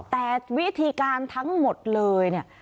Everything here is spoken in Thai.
แต่วิธีการทั้งหมดเลยเนี่ย